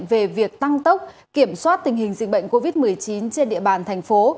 về việc tăng tốc kiểm soát tình hình dịch bệnh covid một mươi chín trên địa bàn thành phố